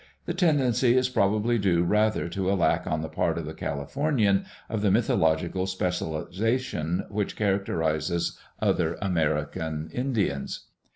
The tendency is probably due rather to a lack on the part of the California^ of the mythological specialization which characterizes other American Indians.